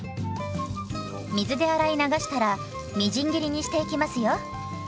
水で洗い流したらみじん切りにしていきますよ。